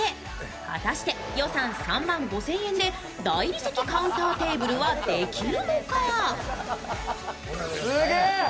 果たして予算３万５０００円で大理石カウンターテーブルはできる